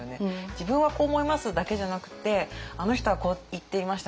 「自分はこう思います」だけじゃなくて「あの人はこう言っていました」